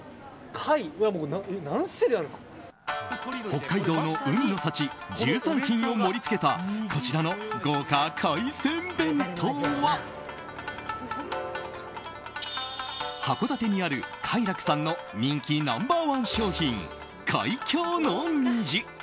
北海道の海の幸１３品を盛り付けたこちらの豪華海鮮弁当は函館にある海楽さんの人気ナンバー１商品、海峡の虹。